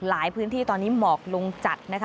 พื้นที่ตอนนี้หมอกลงจัดนะคะ